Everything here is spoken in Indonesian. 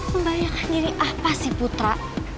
membayangkan jadi apa sih putra